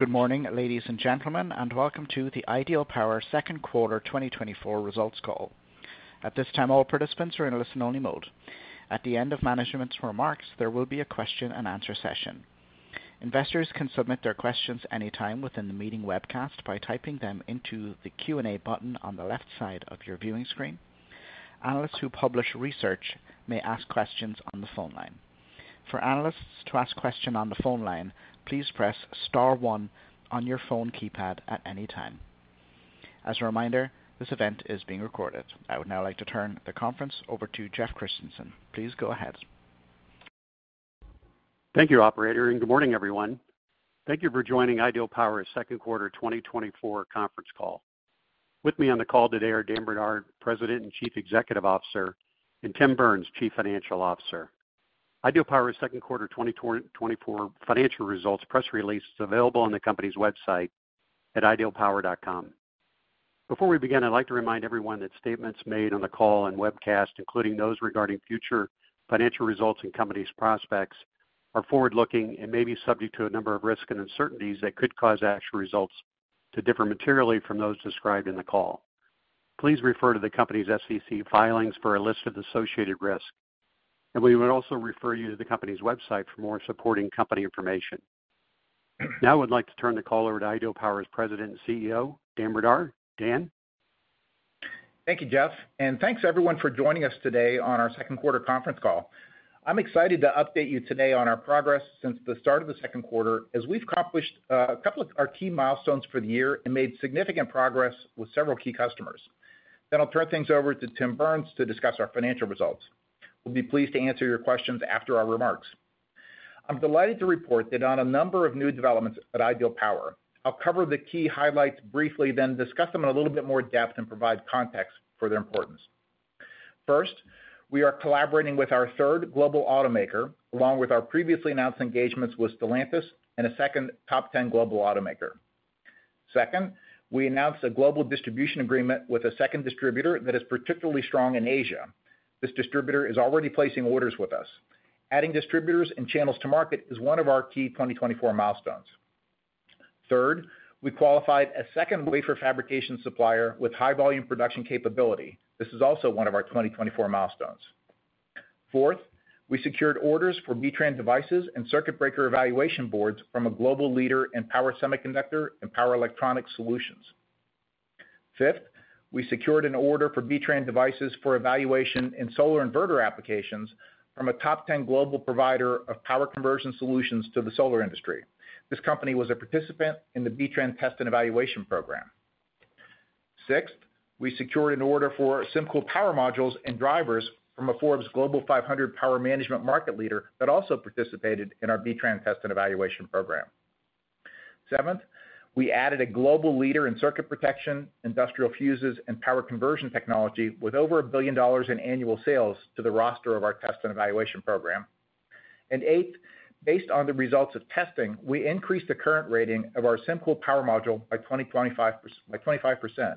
Good morning, ladies and gentlemen, and welcome to the Ideal Power second quarter 2024 results call. At this time, all participants are in listen-only mode. At the end of management's remarks, there will be a question-and-answer session. Investors can submit their questions anytime within the meeting webcast by typing them into the Q&A button on the left side of your viewing screen. Analysts who publish research may ask questions on the phone line. For analysts to ask question on the phone line, please press star one on your phone keypad at any time. As a reminder, this event is being recorded. I would now like to turn the conference over to Jeff Christensen. Please go ahead. Thank you, operator, and good morning, everyone. Thank you for joining Ideal Power's second quarter 2024 conference call. With me on the call today are Dan Brdar, President and Chief Executive Officer, and Tim Burns, Chief Financial Officer. Ideal Power's second quarter 2024 financial results press release is available on the company's website at idealpower.com. Before we begin, I'd like to remind everyone that statements made on the call and webcast, including those regarding future financial results and company's prospects, are forward-looking and may be subject to a number of risks and uncertainties that could cause actual results to differ materially from those described in the call. Please refer to the company's SEC filings for a list of associated risks, and we would also refer you to the company's website for more supporting company information. Now, I would like to turn the call over to Ideal Power's President and CEO, Dan Brdar. Dan? Thank you, Jeff, and thanks everyone for joining us today on our second quarter conference call. I'm excited to update you today on our progress since the start of the second quarter, as we've accomplished a couple of our key milestones for the year and made significant progress with several key customers. Then I'll turn things over to Tim Burns to discuss our financial results. We'll be pleased to answer your questions after our remarks. I'm delighted to report on a number of new developments at Ideal Power. I'll cover the key highlights briefly, then discuss them in a little bit more depth and provide context for their importance. First, we are collaborating with our third global automaker, along with our previously announced engagements with Stellantis and a second top ten global automaker. Second, we announced a global distribution agreement with a second distributor that is particularly strong in Asia. This distributor is already placing orders with us. Adding distributors and channels to market is one of our key 2024 milestones. Third, we qualified a second wafer fabrication supplier with high volume production capability. This is also one of our 2024 milestones. Fourth, we secured orders for B-TRAN devices and circuit breaker evaluation boards from a global leader in power semiconductor and power electronic solutions. Fifth, we secured an order for B-TRAN devices for evaluation in solar inverter applications from a top ten global provider of power conversion solutions to the solar industry. This company was a participant in the B-TRAN test and evaluation program. Sixth, we secured an order for SymCool power modules and drivers from a Forbes Global 500 power management market leader that also participated in our B-TRAN test and evaluation program. Seventh, we added a global leader in circuit protection, industrial fuses, and power conversion technology with over $1 billion in annual sales to the roster of our test and evaluation program. And eighth, based on the results of testing, we increased the current rating of our SymCool power module by 25%.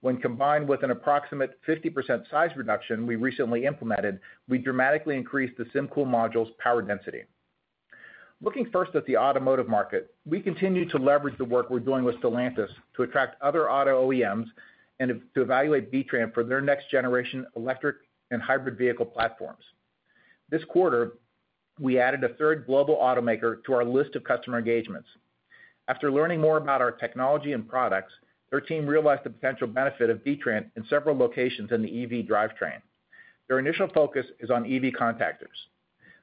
When combined with an approximate 50% size reduction we recently implemented, we dramatically increased the SymCool module's power density. Looking first at the automotive market, we continue to leverage the work we're doing with Stellantis to attract other auto OEMs and to evaluate B-TRAN for their next generation electric and hybrid vehicle platforms. This quarter, we added a third global automaker to our list of customer engagements. After learning more about our technology and products, their team realized the potential benefit of B-TRAN in several locations in the EV drivetrain. Their initial focus is on EV contactors.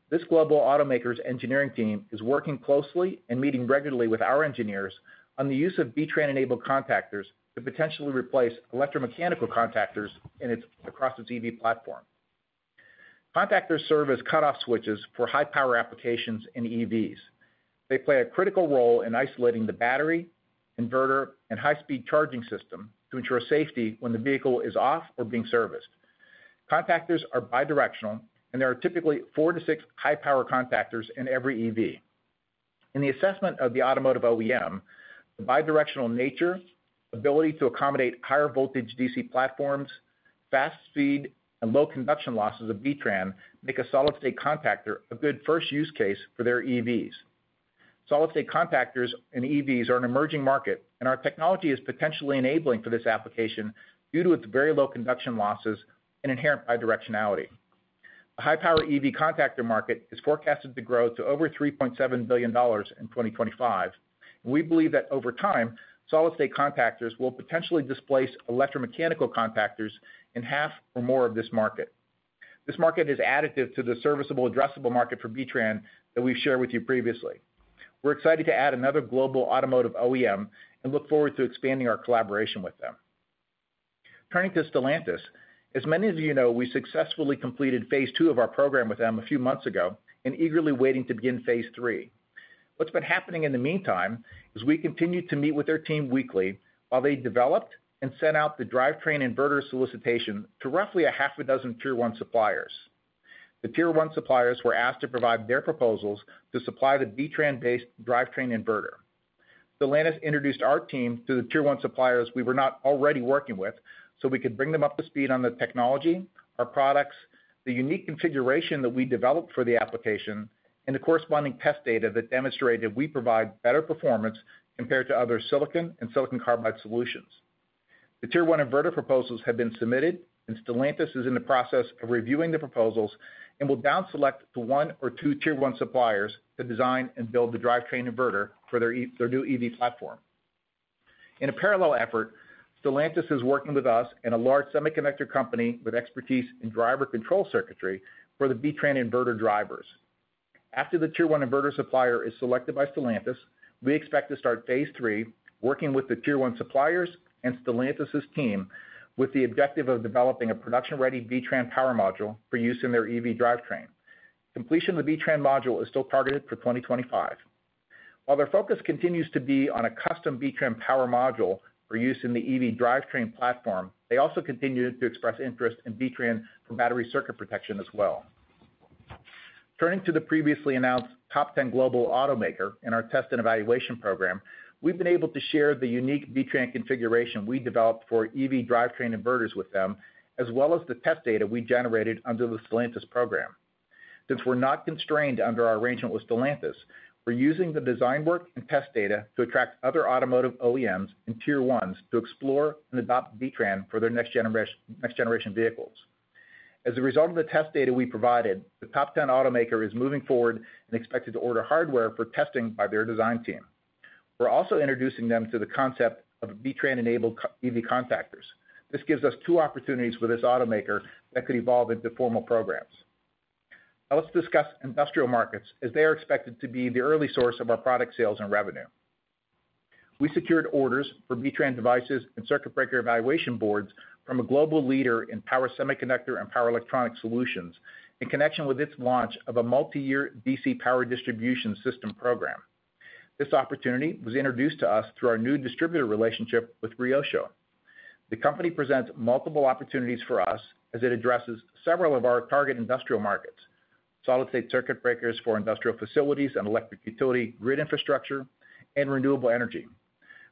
This global automaker's engineering team is working closely and meeting regularly with our engineers on the use of B-TRAN-enabled contactors to potentially replace electromechanical contactors across its EV platform. Contactors serve as cut-off switches for high-power applications in EVs. They play a critical role in isolating the battery, inverter, and high-speed charging system to ensure safety when the vehicle is off or being serviced. Contactors are bidirectional, and there are typically four to six high-power contactors in every EV. In the assessment of the automotive OEM, the bidirectional nature, ability to accommodate higher voltage DC platforms, fast speed, and low conduction losses of B-TRAN make a solid-state contactor a good first use case for their EVs. Solid-state contactors and EVs are an emerging market, and our technology is potentially enabling for this application due to its very low conduction losses and inherent bidirectionality. The high-power EV contactor market is forecasted to grow to over $3.7 billion in 2025. We believe that over time, solid-state contactors will potentially displace electromechanical contactors in half or more of this market. This market is additive to the serviceable addressable market for B-TRAN that we've shared with you previously. We're excited to add another global automotive OEM and look forward to expanding our collaboration with them. Turning to Stellantis, as many of you know, we successfully completed phase two of our program with them a few months ago and eagerly waiting to begin phase three. What's been happening in the meantime is we continued to meet with their team weekly while they developed and sent out the drivetrain inverter solicitation to roughly 6 Tier One suppliers. The Tier One suppliers were asked to provide their proposals to supply the B-TRAN-based drivetrain inverter. Stellantis introduced our team to the Tier One suppliers we were not already working with so we could bring them up to speed on the technology, our products, the unique configuration that we developed for the application and the corresponding test data that demonstrated we provide better performance compared to other silicon and silicon carbide solutions. The Tier One inverter proposals have been submitted, and Stellantis is in the process of reviewing the proposals and will down select the one or two Tier One suppliers to design and build the drivetrain inverter for their new EV platform. In a parallel effort, Stellantis is working with us and a large semiconductor company with expertise in driver control circuitry for the B-TRAN inverter drivers. After the Tier One inverter supplier is selected by Stellantis, we expect to start phase three, working with the Tier One suppliers and Stellantis' team, with the objective of developing a production-ready B-TRAN power module for use in their EV drivetrain. Completion of the B-TRAN module is still targeted for 2025. While their focus continues to be on a custom B-TRAN power module for use in the EV drivetrain platform, they also continue to express interest in B-TRAN for battery circuit protection as well. Turning to the previously announced top ten global automaker in our test and evaluation program, we've been able to share the unique B-TRAN configuration we developed for EV drivetrain inverters with them, as well as the test data we generated under the Stellantis program. Since we're not constrained under our arrangement with Stellantis, we're using the design work and test data to attract other automotive OEMs and tier ones to explore and adopt B-TRAN for their next generation vehicles. As a result of the test data we provided, the top ten automaker is moving forward and expected to order hardware for testing by their design team. We're also introducing them to the concept of B-TRAN enabled EV contactors. This gives us two opportunities with this automaker that could evolve into formal programs. Now, let's discuss industrial markets as they are expected to be the early source of our product sales and revenue. We secured orders for B-TRAN devices and circuit breaker evaluation boards from a global leader in power semiconductor and power electronic solutions, in connection with its launch of a multi-year DC power distribution system program. This opportunity was introduced to us through our new distributor relationship with Ryosho. The company presents multiple opportunities for us as it addresses several of our target industrial markets, solid-state circuit breakers for industrial facilities and electric utility, grid infrastructure, and renewable energy.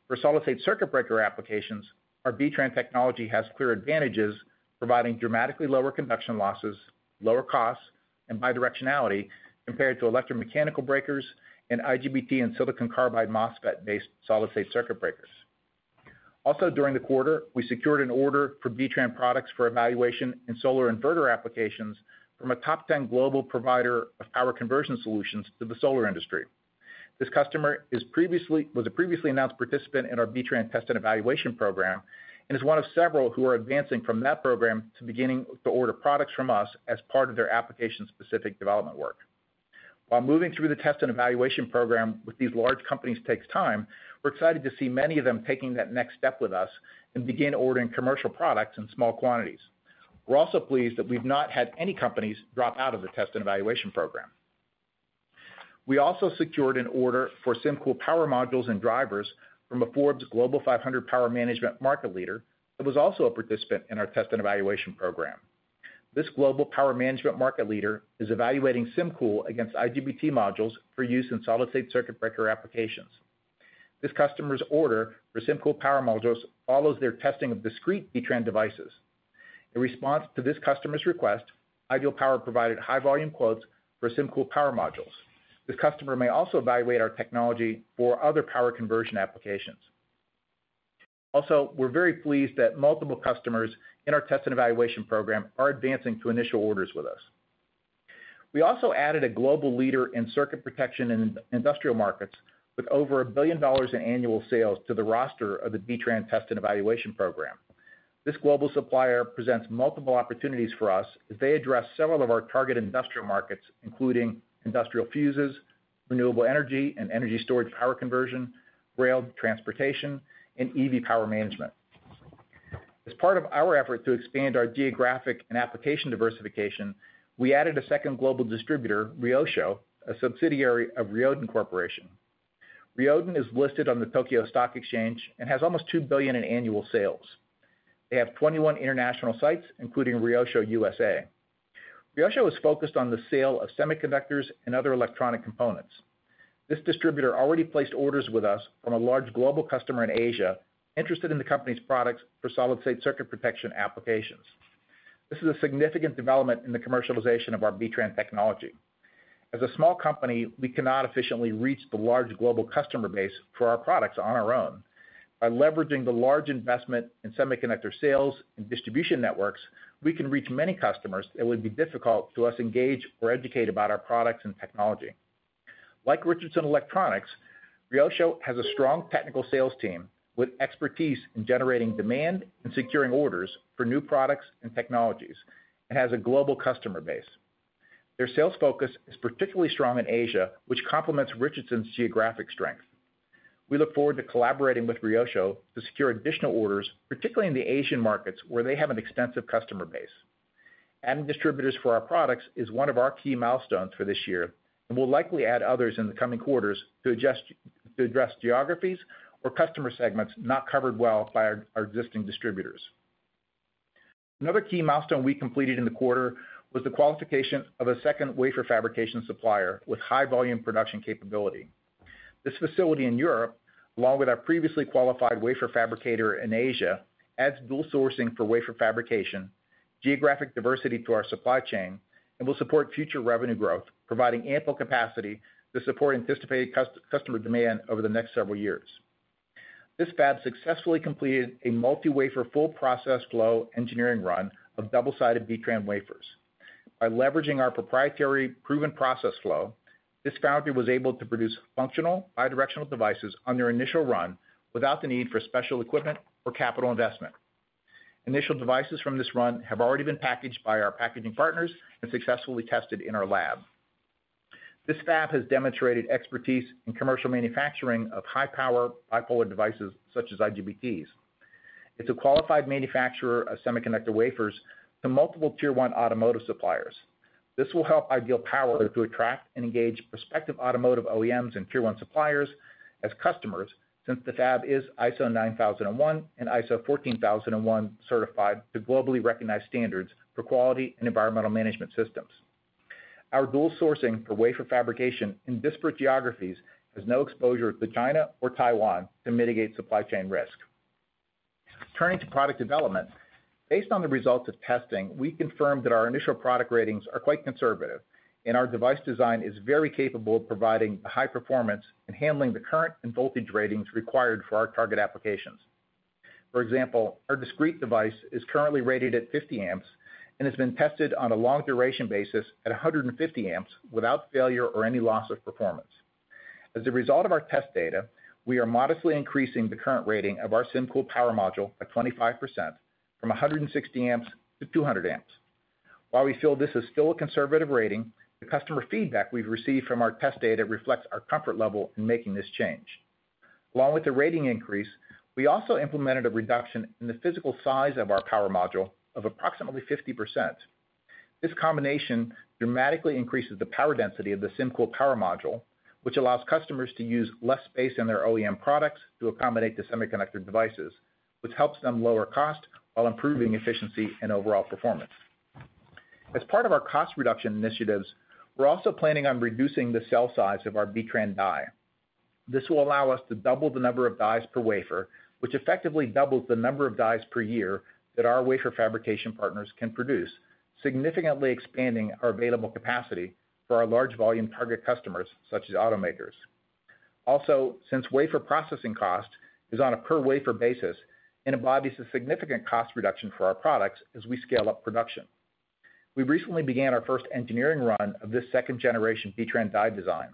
For solid-state circuit breaker applications, our B-TRAN technology has clear advantages, providing dramatically lower conduction losses, lower costs, and bidirectionality compared to electromechanical breakers and IGBT and silicon carbide MOSFET-based solid-state circuit breakers. Also, during the quarter, we secured an order for B-TRAN products for evaluation in solar inverter applications from a top 10 global provider of power conversion solutions to the solar industry. This customer was a previously announced participant in our B-TRAN test and evaluation program, and is one of several who are advancing from that program to beginning to order products from us as part of their application-specific development work. While moving through the test and evaluation program with these large companies takes time, we're excited to see many of them taking that next step with us and begin ordering commercial products in small quantities. We're also pleased that we've not had any companies drop out of the test and evaluation program. We also secured an order for SymCool power modules and drivers from a Forbes Global 500 power management market leader, that was also a participant in our test and evaluation program. This global power management market leader is evaluating SymCool against IGBT modules for use in solid-state circuit breaker applications. This customer's order for SymCool power modules follows their testing of discrete B-TRAN devices. In response to this customer's request, Ideal Power provided high volume quotes for SymCool power modules. This customer may also evaluate our technology for other power conversion applications. Also, we're very pleased that multiple customers in our test and evaluation program are advancing to initial orders with us. We also added a global leader in circuit protection in industrial markets with over $1 billion in annual sales to the roster of the B-TRAN test and evaluation program. This global supplier presents multiple opportunities for us, as they address several of our target industrial markets, including industrial fuses, renewable energy and energy storage power conversion, rail transportation, and EV power management. As part of our effort to expand our geographic and application diversification, we added a second global distributor, Ryosho, a subsidiary of Ryoden Corporation. Ryoden is listed on the Tokyo Stock Exchange and has almost $2 billion in annual sales. They have 21 international sites, including Ryosho USA. Ryosho is focused on the sale of semiconductors and other electronic components. This distributor already placed orders with us from a large global customer in Asia, interested in the company's products for solid-state circuit protection applications. This is a significant development in the commercialization of our B-TRAN technology. As a small company, we cannot efficiently reach the large global customer base for our products on our own. By leveraging the large investment in semiconductor sales and distribution networks, we can reach many customers that would be difficult to us engage or educate about our products and technology. Like Richardson Electronics, Ryosho has a strong technical sales team with expertise in generating demand and securing orders for new products and technologies, and has a global customer base. Their sales focus is particularly strong in Asia, which complements Richardson's geographic strength. We look forward to collaborating with Ryosho to secure additional orders, particularly in the Asian markets, where they have an extensive customer base. Adding distributors for our products is one of our key milestones for this year, and we'll likely add others in the coming quarters to address geographies or customer segments not covered well by our existing distributors. Another key milestone we completed in the quarter was the qualification of a second wafer fabrication supplier with high-volume production capability. This facility in Europe, along with our previously qualified wafer fabricator in Asia, adds dual sourcing for wafer fabrication, geographic diversity to our supply chain, and will support future revenue growth, providing ample capacity to support anticipated customer demand over the next several years. This fab successfully completed a multi-wafer full process flow engineering run of double-sided B-TRAN wafers. By leveraging our proprietary proven process flow, this foundry was able to produce functional bidirectional devices on their initial run without the need for special equipment or capital investment. Initial devices from this run have already been packaged by our packaging partners and successfully tested in our lab. This fab has demonstrated expertise in commercial manufacturing of high power, bipolar devices, such as IGBTs. It's a qualified manufacturer of semiconductor wafers to multiple Tier One automotive suppliers. This will help Ideal Power to attract and engage prospective automotive OEMs and Tier One suppliers as customers, since the fab is ISO 9001 and ISO 14001 certified to globally recognized standards for quality and environmental management systems. Our dual sourcing for wafer fabrication in disparate geographies has no exposure to China or Taiwan to mitigate supply chain risk. Turning to product development. Based on the results of testing, we confirmed that our initial product ratings are quite conservative, and our device design is very capable of providing high performance and handling the current and voltage ratings required for our target applications. For example, our discrete device is currently rated at 50 amps and has been tested on a long duration basis at 150 amps without failure or any loss of performance. As a result of our test data, we are modestly increasing the current rating of our SymCool power module by 25% from 160 amps to 200 amps. While we feel this is still a conservative rating, the customer feedback we've received from our test data reflects our comfort level in making this change. Along with the rating increase, we also implemented a reduction in the physical size of our power module of approximately 50%. This combination dramatically increases the power density of the SymCool power module, which allows customers to use less space in their OEM products to accommodate the semiconductor devices, which helps them lower cost while improving efficiency and overall performance. As part of our cost reduction initiatives, we're also planning on reducing the cell size of our B-TRAN die. This will allow us to double the number of dies per wafer, which effectively doubles the number of dies per year that our wafer fabrication partners can produce, significantly expanding our available capacity for our large volume target customers, such as automakers. Also, since wafer processing cost is on a per wafer basis, it embodies a significant cost reduction for our products as we scale up production. We recently began our first engineering run of this second generation B-TRAN die design.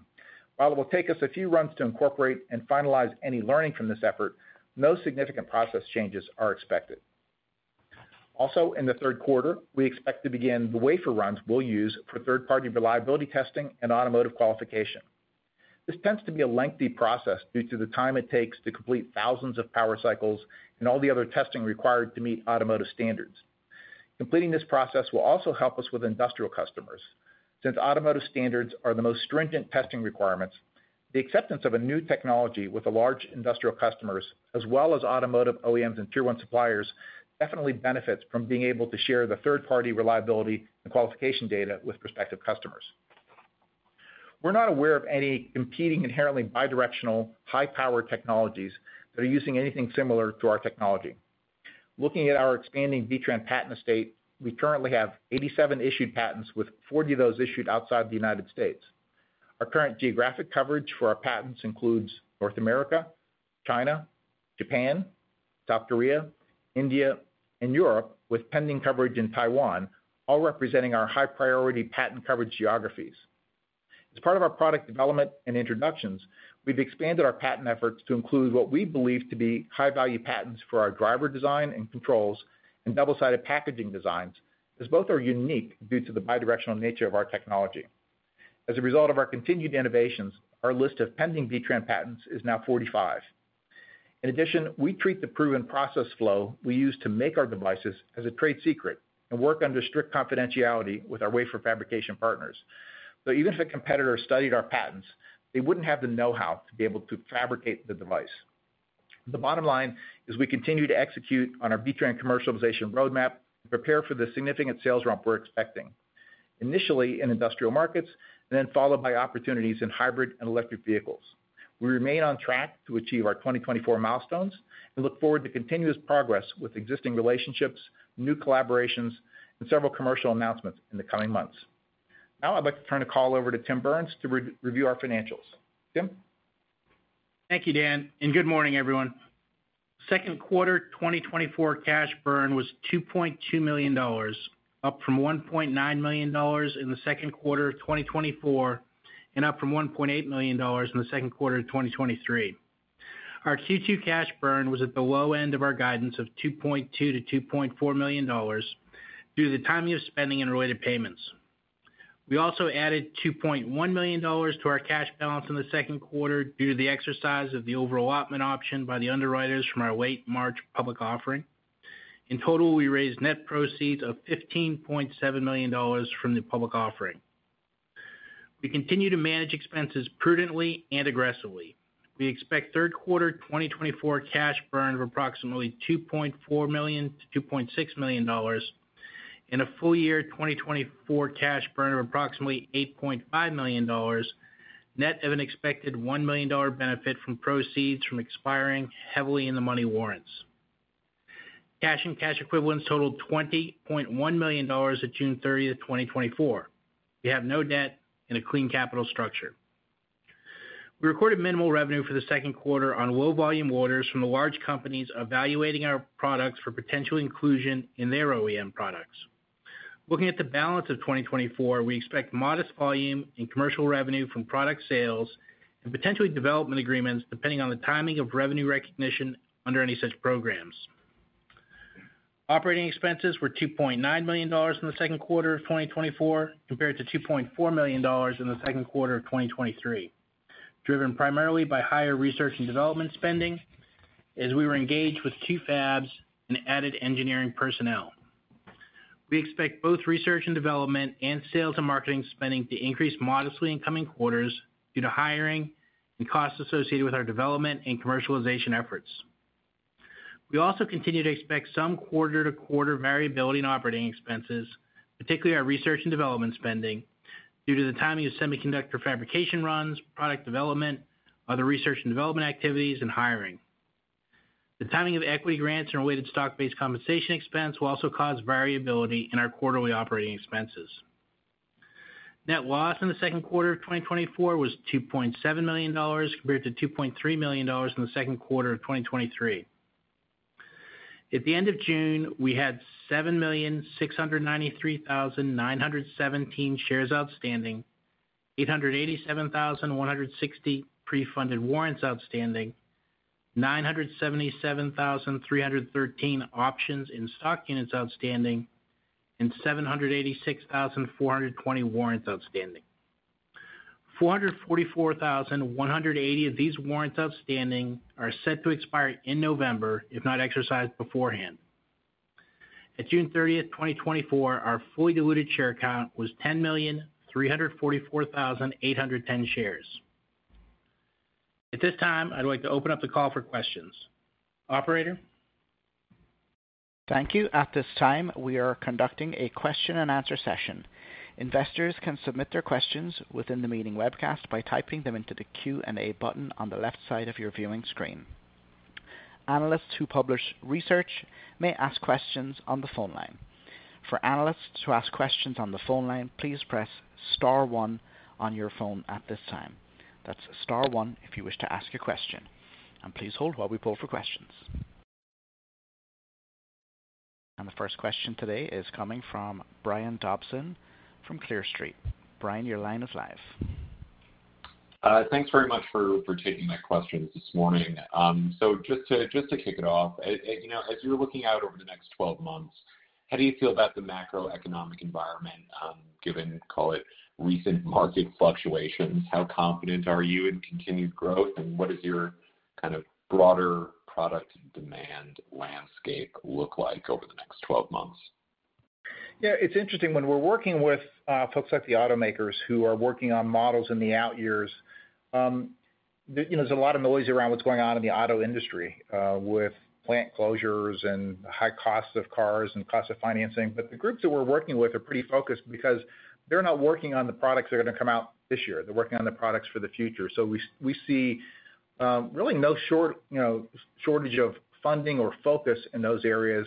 While it will take us a few runs to incorporate and finalize any learning from this effort, no significant process changes are expected. Also, in the third quarter, we expect to begin the wafer runs we'll use for third-party reliability testing and automotive qualification. This tends to be a lengthy process due to the time it takes to complete thousands of power cycles and all the other testing required to meet automotive standards. Completing this process will also help us with industrial customers. Since automotive standards are the most stringent testing requirements, the acceptance of a new technology with the large industrial customers, as well as automotive OEMs and Tier One suppliers, definitely benefits from being able to share the third-party reliability and qualification data with prospective customers. We're not aware of any competing, inherently bidirectional, high-power technologies that are using anything similar to our technology. Looking at our expanding B-TRAN patent estate, we currently have 87 issued patents, with 40 of those issued outside the United States. Our current geographic coverage for our patents includes North America, China, Japan, South Korea, India, and Europe, with pending coverage in Taiwan, all representing our high-priority patent coverage geographies. As part of our product development and introductions, we've expanded our patent efforts to include what we believe to be high-value patents for our driver design and controls and double-sided packaging designs, as both are unique due to the bidirectional nature of our technology. As a result of our continued innovations, our list of pending B-TRAN patents is now 45. In addition, we treat the proven process flow we use to make our devices as a trade secret and work under strict confidentiality with our wafer fabrication partners. So even if a competitor studied our patents, they wouldn't have the know-how to be able to fabricate the device. The bottom line is we continue to execute on our B-TRAN commercialization roadmap to prepare for the significant sales ramp we're expecting, initially in industrial markets, and then followed by opportunities in hybrid and electric vehicles. We remain on track to achieve our 2024 milestones and look forward to continuous progress with existing relationships, new collaborations, and several commercial announcements in the coming months. Now I'd like to turn the call over to Tim Burns to review our financials. Tim? Thank you, Dan, and good morning, everyone. Second quarter 2024 cash burn was $2.2 million, up from $1.9 million in the second quarter of 2024, and up from $1.8 million in the second quarter of 2023. Our Q2 cash burn was at the low end of our guidance of $2.2-$2.4 million due to the timing of spending and related payments. We also added $2.1 million to our cash balance in the second quarter due to the exercise of the overallotment option by the underwriters from our late March public offering. In total, we raised net proceeds of $15.7 million from the public offering. We continue to manage expenses prudently and aggressively. We expect third quarter 2024 cash burn of approximately $2.4 million-$2.6 million and a full year 2024 cash burn of approximately $8.5 million, net of an expected $1 million benefit from proceeds from expiring heavily in the money warrants. Cash and cash equivalents totaled $20.1 million at June 30, 2024. We have no debt and a clean capital structure. We recorded minimal revenue for the second quarter on low volume orders from the large companies evaluating our products for potential inclusion in their OEM products. Looking at the balance of 2024, we expect modest volume in commercial revenue from product sales and potentially development agreements, depending on the timing of revenue recognition under any such programs. Operating expenses were $2.9 million in the second quarter of 2024, compared to $2.4 million in the second quarter of 2023, driven primarily by higher research and development spending as we were engaged with two fabs and added engineering personnel. We expect both research and development, and sales and marketing spending to increase modestly in coming quarters due to hiring and costs associated with our development and commercialization efforts. We also continue to expect some quarter-to-quarter variability in operating expenses, particularly our research and development spending, due to the timing of semiconductor fabrication runs, product development, other research and development activities, and hiring. The timing of equity grants and related stock-based compensation expense will also cause variability in our quarterly operating expenses. Net loss in the second quarter of 2024 was $2.7 million, compared to $2.3 million in the second quarter of 2023. At the end of June, we had 7,693,917 shares outstanding, 887,160 pre-funded warrants outstanding, 977,313 options in stock units outstanding, and 786,420 warrants outstanding. 444,180 of these warrants outstanding are set to expire in November, if not exercised beforehand. At June 30, 2024, our fully diluted share count was 10,344,810 shares. At this time, I'd like to open up the call for questions. Operator? Thank you. At this time, we are conducting a question-and-answer session. Investors can submit their questions within the meeting webcast by typing them into the Q&A button on the left side of your viewing screen. Analysts who publish research may ask questions on the phone line. For analysts to ask questions on the phone line, please press star one on your phone at this time. That's star one if you wish to ask a question, and please hold while we pull for questions. The first question today is coming from Brian Dobson from Clear Street. Brian, your line is live. Thanks very much for taking my questions this morning. So just to kick it off, you know, as you're looking out over the next 12 months, how do you feel about the macroeconomic environment, given, call it, recent market fluctuations? How confident are you in continued growth, and what is your kind of broader product demand landscape look like over the next 12 months? Yeah, it's interesting. When we're working with folks like the automakers who are working on models in the out years, you know, there's a lot of noise around what's going on in the auto industry with plant closures and high costs of cars and costs of financing. But the groups that we're working with are pretty focused because they're not working on the products that are gonna come out this year. They're working on the products for the future. So we see really no short, you know, shortage of funding or focus in those areas.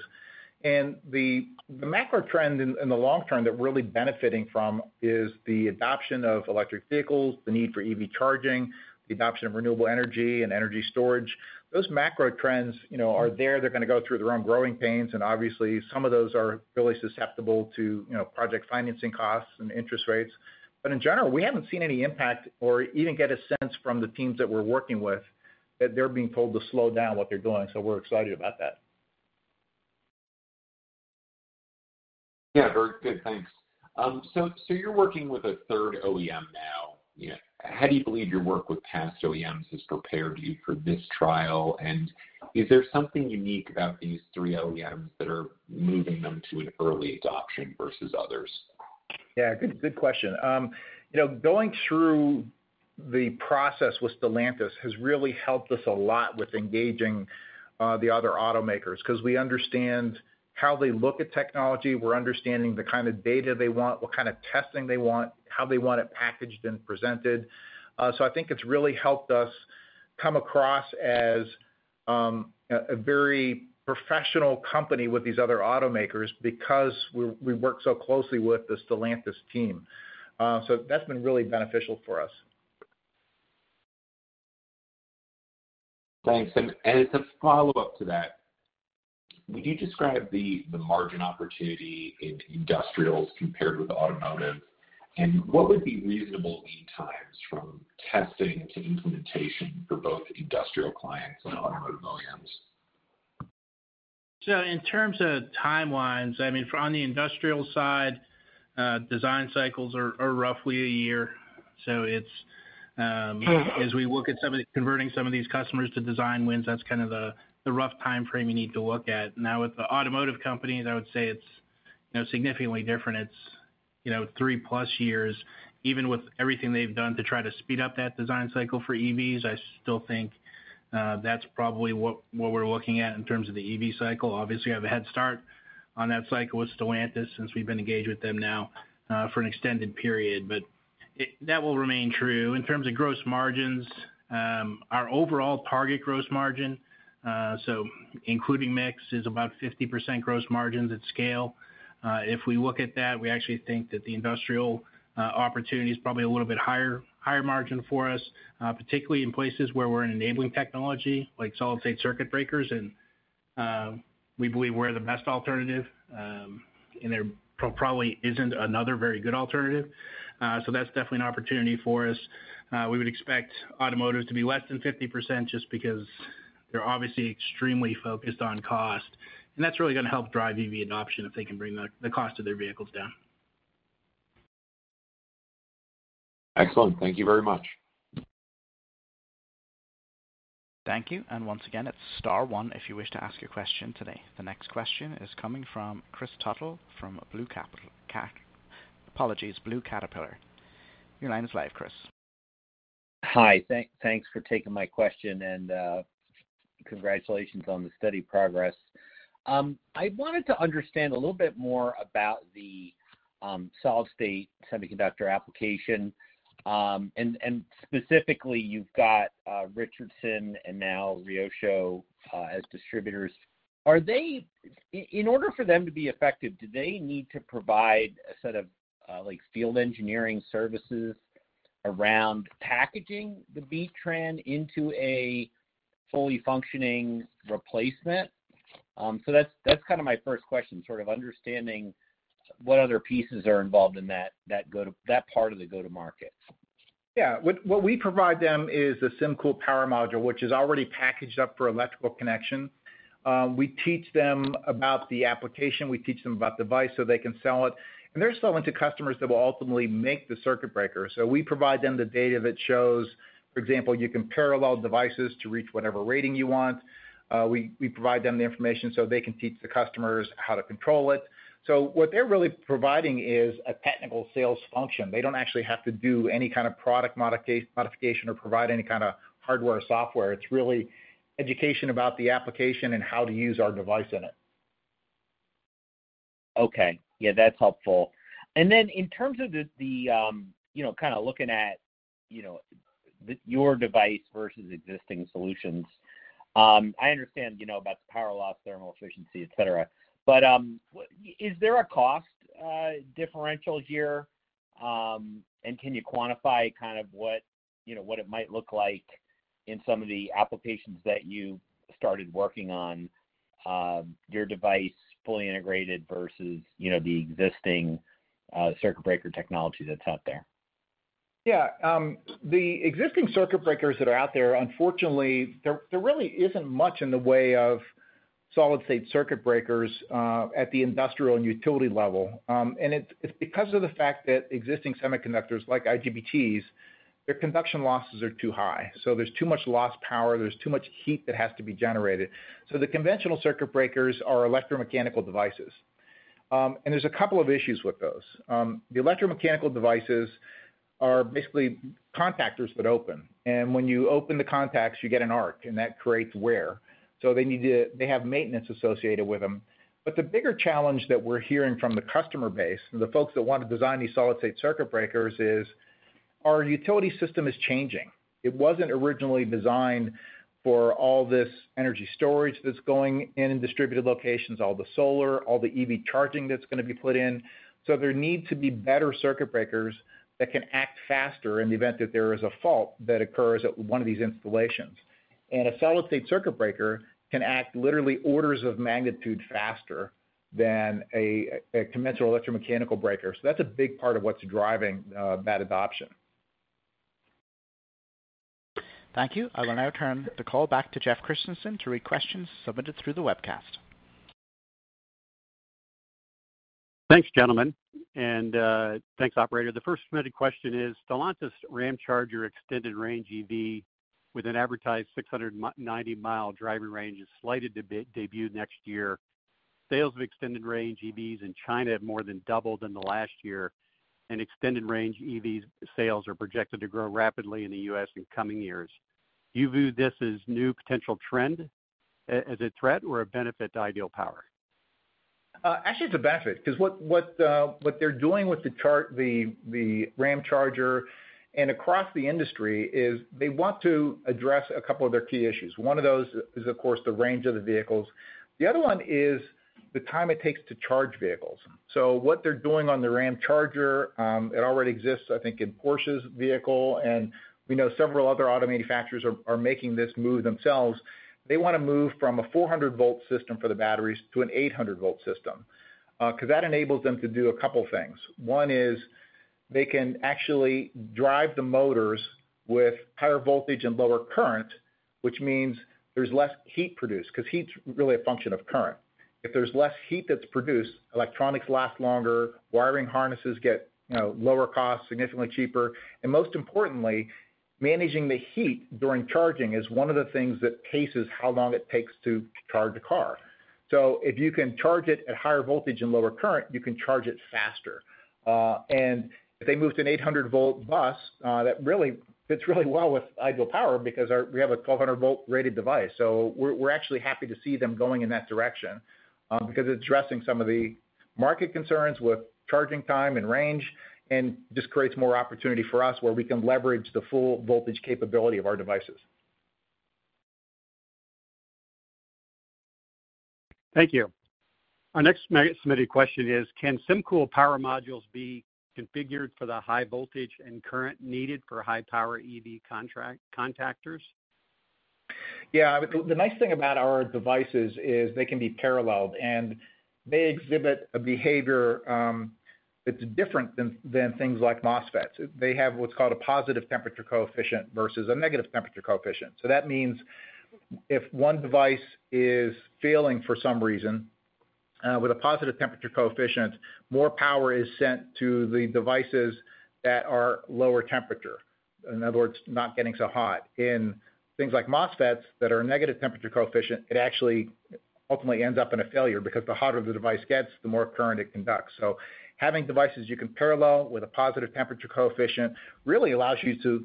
And the macro trend in the long term that we're really benefiting from is the adoption of electric vehicles, the need for EV charging, the adoption of renewable energy and energy storage. Those macro trends, you know, are there. They're gonna go through their own growing pains, and obviously, some of those are really susceptible to, you know, project financing costs and interest rates. But in general, we haven't seen any impact or even get a sense from the teams that we're working with, that they're being told to slow down what they're doing, so we're excited about that. Yeah, very good. Thanks. So you're working with a third OEM now. You know, how do you believe your work with past OEMs has prepared you for this trial? And is there something unique about these three OEMs that are moving them to an early adoption versus others? Yeah, good, good question. You know, going through the process with Stellantis has really helped us a lot with engaging the other automakers, 'cause we understand how they look at technology. We're understanding the kind of data they want, what kind of testing they want, how they want it packaged and presented. So I think it's really helped us come across as a very professional company with these other automakers because we work so closely with the Stellantis team. So that's been really beneficial for us. Thanks. And as a follow-up to that, would you describe the margin opportunity in industrials compared with automotive? And what would be reasonable lead times from testing to implementation for both industrial clients and automotive OEMs? So in terms of timelines, I mean, for on the industrial side, design cycles are roughly a year. So it's, as we look at some of the converting some of these customers to design wins, that's kind of the rough timeframe you need to look at. Now, with the automotive companies, I would say it's, you know, significantly different. It's... you know, 3+ years, even with everything they've done to try to speed up that design cycle for EVs, I still think that's probably what we're looking at in terms of the EV cycle. Obviously, have a head start on that cycle with Stellantis, since we've been engaged with them now for an extended period. But it—that will remain true. In terms of gross margins, our overall target gross margin, so including mix, is about 50% gross margins at scale. If we look at that, we actually think that the industrial opportunity is probably a little bit higher, higher margin for us, particularly in places where we're enabling technology, like solid-state circuit breakers, and we believe we're the best alternative, and there probably isn't another very good alternative. So that's definitely an opportunity for us. We would expect automotive to be less than 50% just because they're obviously extremely focused on cost, and that's really gonna help drive EV adoption if they can bring the cost of their vehicles down. Excellent. Thank you very much. Thank you. And once again, it's star one if you wish to ask a question today. The next question is coming from Chris Tuttle, from Blue Clay Ca-- apologies, Blue Clay Capital. Your line is live, Chris. Hi, thanks for taking my question, and congratulations on the steady progress. I wanted to understand a little bit more about the solid-state semiconductor application. And specifically, you've got Richardson and now Ryosho as distributors. Are they in order for them to be effective, do they need to provide a set of like field engineering services around packaging the B-TRAN into a fully functioning replacement? So that's kind of my first question, sort of understanding what other pieces are involved in that that go to that part of the go-to-market. Yeah. What we provide them is a SymCool power module, which is already packaged up for electrical connection. We teach them about the application, we teach them about the device, so they can sell it. And they're selling to customers that will ultimately make the circuit breaker. So we provide them the data that shows, for example, you can parallel devices to reach whatever rating you want. We provide them the information so they can teach the customers how to control it. So what they're really providing is a technical sales function. They don't actually have to do any kind of product modification or provide any kind of hardware or software. It's really education about the application and how to use our device in it. Okay. Yeah, that's helpful. And then in terms of the, you know, kind of looking at your device versus existing solutions, I understand, you know, about the power loss, thermal efficiency, et cetera. But, is there a cost differential here? And can you quantify kind of what, you know, what it might look like in some of the applications that you started working on, your device fully integrated versus, you know, the existing circuit breaker technology that's out there? Yeah, the existing circuit breakers that are out there, unfortunately, there really isn't much in the way of solid-state circuit breakers at the industrial and utility level. And it's because of the fact that existing semiconductors, like IGBTs, their conduction losses are too high, so there's too much lost power, there's too much heat that has to be generated. So the conventional circuit breakers are electromechanical devices. And there's a couple of issues with those. The electromechanical devices are basically contactors that open, and when you open the contacts, you get an arc, and that creates wear, so they need to—they have maintenance associated with them. But the bigger challenge that we're hearing from the customer base, and the folks that want to design these solid-state circuit breakers, is our utility system is changing. It wasn't originally designed for all this energy storage that's going in and distributed locations, all the solar, all the EV charging that's gonna be put in. So there need to be better circuit breakers that can act faster in the event that there is a fault that occurs at one of these installations. And a solid-state circuit breaker can act literally orders of magnitude faster than a conventional electromechanical breaker. So that's a big part of what's driving that adoption. Thank you. I will now turn the call back to Jeff Christensen to read questions submitted through the webcast. Thanks, gentlemen, and, thanks, operator. The first submitted question is, "Stellantis Ramcharger extended-range EV, with an advertised 600-mile driving range, is slated to debut next year. Sales of extended-range EVs in China have more than doubled in the last year, and extended-range EV sales are projected to grow rapidly in the US in coming years. You view this as new potential trend, as a threat or a benefit to Ideal Power? Actually, it's a benefit, 'cause what they're doing with the chart, the Ramcharger and across the industry, is they want to address a couple of their key issues. One of those is, of course, the range of the vehicles. The other one is the time it takes to charge vehicles. So what they're doing on the Ramcharger, it already exists, I think, in Porsche's vehicle, and we know several other auto manufacturers are making this move themselves. They wanna move from a 400-volt system for the batteries to an 800-volt system, 'cause that enables them to do a couple things. One is they can actually drive the motors with higher voltage and lower current, which means there's less heat produced, 'cause heat's really a function of current. If there's less heat that's produced, electronics last longer, wiring harnesses get, you know, lower cost, significantly cheaper, and most importantly, managing the heat during charging is one of the things that paces how long it takes to charge a car. So if you can charge it at higher voltage and lower current, you can charge it faster. And if they moved an 800-volt bus, that really fits really well with Ideal Power because we have a 1,200-volt rated device. So we're, we're actually happy to see them going in that direction, because it's addressing some of the market concerns with charging time and range, and just creates more opportunity for us where we can leverage the full voltage capability of our devices. Thank you. Our next submitted question is, can SymCool Power modules be configured for the high voltage and current needed for high-power EV contactors? Yeah, the nice thing about our devices is they can be paralleled, and they exhibit a behavior that's different than things like MOSFETs. They have what's called a positive temperature coefficient versus a negative temperature coefficient. So that means if one device is failing for some reason, with a positive temperature coefficient, more power is sent to the devices that are lower temperature. In other words, not getting so hot. In things like MOSFETs that are negative temperature coefficient, it actually ultimately ends up in a failure, because the hotter the device gets, the more current it conducts. So having devices you can parallel with a positive temperature coefficient, really allows you to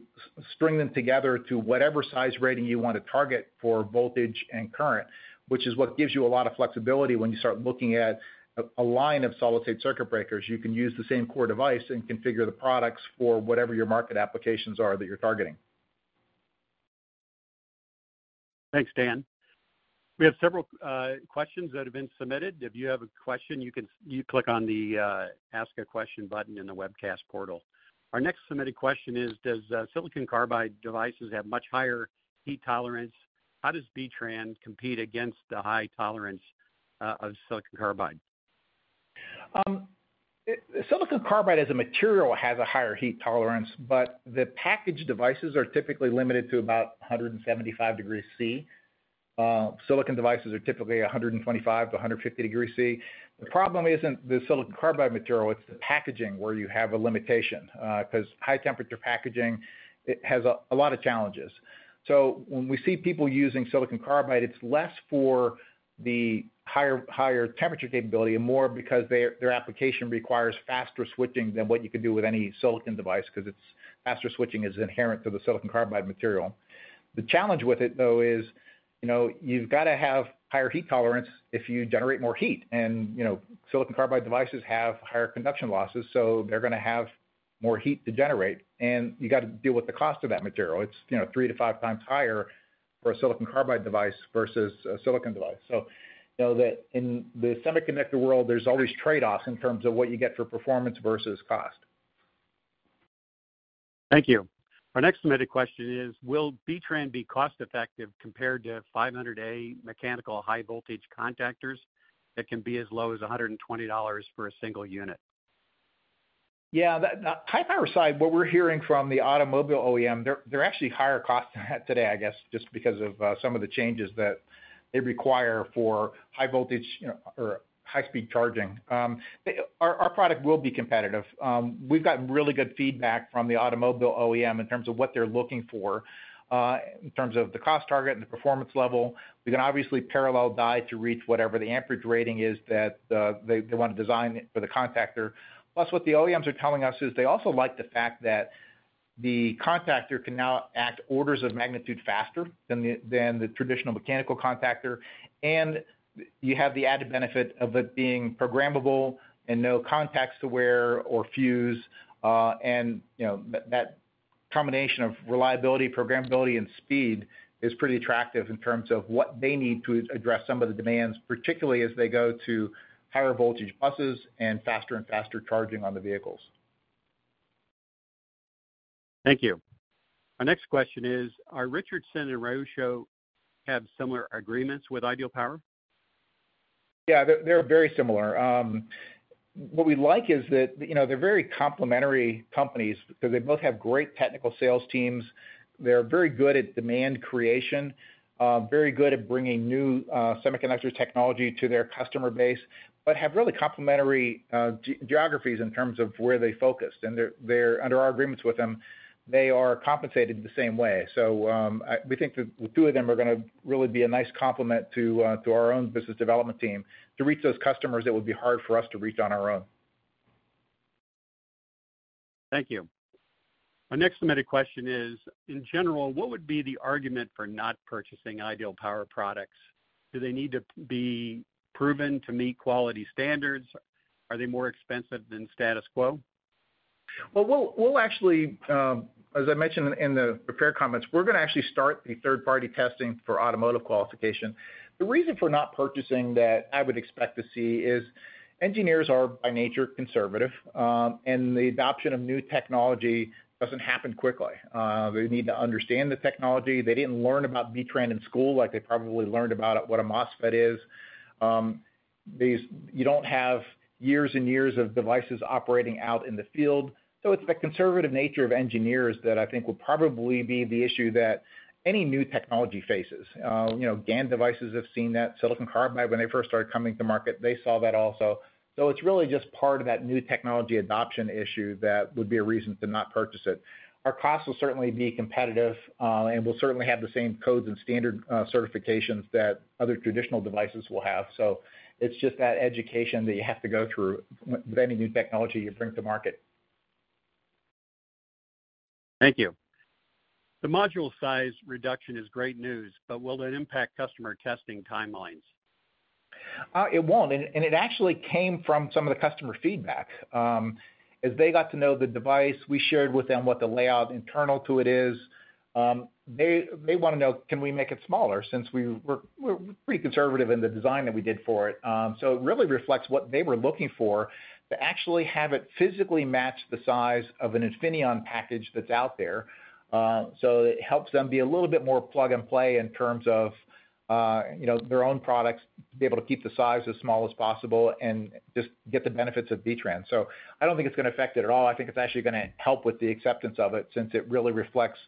string them together to whatever size rating you want to target for voltage and current, which is what gives you a lot of flexibility when you start looking at a line of solid-state circuit breakers. You can use the same core device and configure the products for whatever your market applications are that you're targeting. Thanks, Dan. We have several questions that have been submitted. If you have a question, you can click on the Ask a Question button in the webcast portal. Our next submitted question is, does silicon carbide devices have much higher heat tolerance? How does B-TRAN compete against the high tolerance of silicon carbide? Silicon carbide as a material has a higher heat tolerance, but the package devices are typically limited to about 175 degrees C. Silicon devices are typically 125-150 degrees C. The problem isn't the silicon carbide material, it's the packaging where you have a limitation, because high temperature packaging it has a lot of challenges. So when we see people using silicon carbide, it's less for the higher, higher temperature capability and more because their, their application requires faster switching than what you could do with any silicon device, because it's faster switching is inherent to the silicon carbide material. The challenge with it, though, is, you know, you've got to have higher heat tolerance if you generate more heat. You know, silicon carbide devices have higher conduction losses, so they're gonna have more heat to generate, and you got to deal with the cost of that material. It's, you know, 3-5 times higher for a silicon carbide device versus a silicon device. Know that in the semiconductor world, there's always trade-offs in terms of what you get for performance versus cost. Thank you. Our next submitted question is: Will B-TRAN be cost-effective compared to 500 A mechanical high voltage contactors that can be as low as $120 for a single unit? Yeah, the high power side, what we're hearing from the automobile OEM, they're actually higher cost today, I guess, just because of some of the changes that they require for high voltage, you know, or high-speed charging. They, our product will be competitive. We've gotten really good feedback from the automobile OEM in terms of what they're looking for in terms of the cost target and the performance level. We can obviously parallel die to reach whatever the amperage rating is that they want to design for the contactor. Plus, what the OEMs are telling us is they also like the fact that the contactor can now act orders of magnitude faster than the traditional mechanical contactor, and you have the added benefit of it being programmable and no contacts to wear or fuse. you know, that combination of reliability, programmability, and speed is pretty attractive in terms of what they need to address some of the demands, particularly as they go to higher voltage buses and faster and faster charging on the vehicles. Thank you. Our next question is, do Richardson and Ryosho have similar agreements with Ideal Power? Yeah, they're very similar. What we like is that, you know, they're very complementary companies because they both have great technical sales teams. They're very good at demand creation, very good at bringing new semiconductor technology to their customer base, but have really complementary geographies in terms of where they focused. And they're under our agreements with them, they are compensated the same way. So, we think the two of them are gonna really be a nice complement to our own business development team to reach those customers that would be hard for us to reach on our own. Thank you. Our next submitted question is: In general, what would be the argument for not purchasing Ideal Power products? Do they need to be proven to meet quality standards? Are they more expensive than status quo? Well, we'll actually, as I mentioned in the prepared comments, we're gonna actually start the third-party testing for automotive qualification. The reason for not purchasing that I would expect to see is engineers are, by nature, conservative, and the adoption of new technology doesn't happen quickly. They need to understand the technology. They didn't learn about B-TRAN in school, like they probably learned about what a MOSFET is. You don't have years and years of devices operating out in the field. So it's the conservative nature of engineers that I think will probably be the issue that any new technology faces. You know, GaN devices have seen that. Silicon carbide, when they first started coming to market, they saw that also. So it's really just part of that new technology adoption issue that would be a reason to not purchase it. Our costs will certainly be competitive, and we'll certainly have the same codes and standard certifications that other traditional devices will have. It's just that education that you have to go through with any new technology you bring to market. Thank you. The module size reduction is great news, but will it impact customer testing timelines? It won't, and it actually came from some of the customer feedback. As they got to know the device, we shared with them what the layout internal to it is. They wanna know, can we make it smaller? Since we're pretty conservative in the design that we did for it. So it really reflects what they were looking for, to actually have it physically match the size of an Infineon package that's out there. So it helps them be a little bit more plug and play in terms of, you know, their own products, be able to keep the size as small as possible and just get the benefits of B-TRAN. So I don't think it's gonna affect it at all. I think it's actually gonna help with the acceptance of it, since it really reflects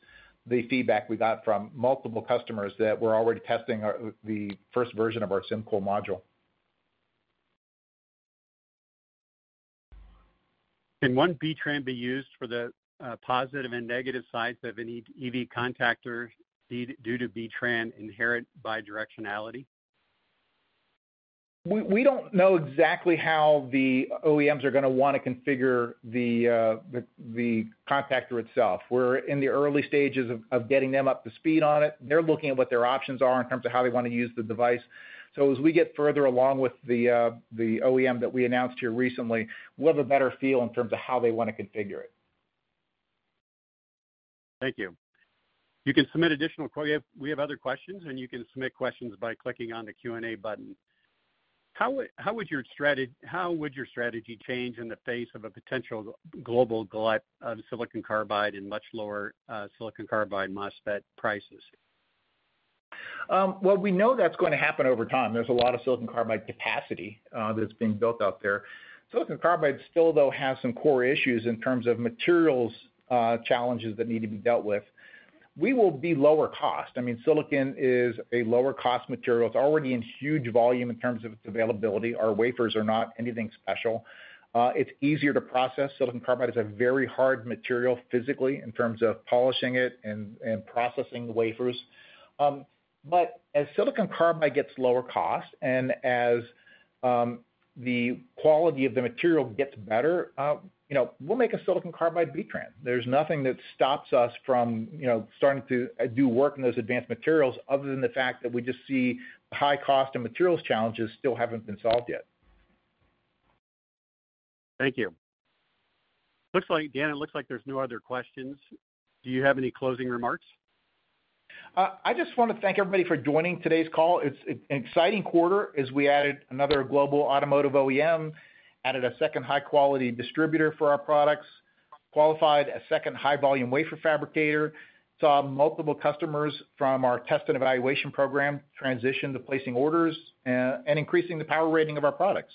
the feedback we got from multiple customers that were already testing our, the first version of our SymCool module. Can one B-TRAN be used for the positive and negative sides of an EV contactor due to B-TRAN inherent bidirectionality? We don't know exactly how the OEMs are gonna wanna configure the contactor itself. We're in the early stages of getting them up to speed on it. They're looking at what their options are in terms of how they wanna use the device. So as we get further along with the OEM that we announced here recently, we'll have a better feel in terms of how they wanna configure it. Thank you. You can submit additional questions. We have other questions, and you can submit questions by clicking on the Q&A button. How would your strategy change in the face of a potential global glut of silicon carbide and much lower silicon carbide MOSFET prices? Well, we know that's going to happen over time. There's a lot of silicon carbide capacity that's being built out there. Silicon carbide still, though, has some core issues in terms of materials challenges that need to be dealt with. We will be lower cost. I mean, silicon is a lower cost material. It's already in huge volume in terms of its availability. Our wafers are not anything special. It's easier to process. Silicon carbide is a very hard material physically, in terms of polishing it and, and processing the wafers. But as silicon carbide gets lower cost and as the quality of the material gets better, you know, we'll make a silicon carbide B-TRAN. There's nothing that stops us from, you know, starting to do work in those advanced materials other than the fact that we just see high cost and materials challenges still haven't been solved yet. Thank you. Looks like, Dan, it looks like there's no other questions. Do you have any closing remarks? I just wanna thank everybody for joining today's call. It's an exciting quarter as we added another global automotive OEM, added a second high-quality distributor for our products, qualified a second high-volume wafer fabricator, saw multiple customers from our test and evaluation program transition to placing orders, and increasing the power rating of our products.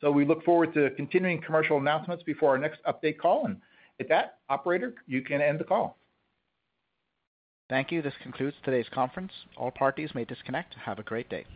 So we look forward to continuing commercial announcements before our next update call. And at that, operator, you can end the call. Thank you. This concludes today's conference. All parties may disconnect. Have a great day.